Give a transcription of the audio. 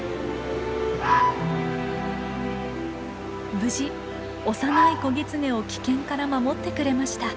無事幼い子ギツネを危険から守ってくれました。